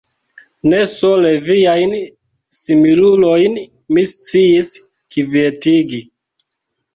Ne sole viajn similulojn mi sciis kvietigi.